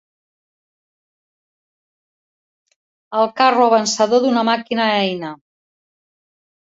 El carro avançador d'una màquina eina.